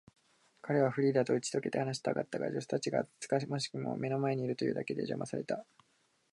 彼はフリーダとうちとけて話したかったが、助手たちが厚かましくも目の前にいるというだけで、じゃまされた。